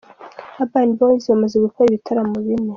Urban Boyz bamaze gukora ibitaramo bine.